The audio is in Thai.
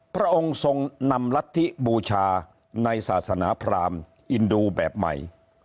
พระองค์ทรงนำรัฐธิบูชาในศาสนาพรามอินดูแบบใหม่